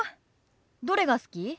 どれが好き？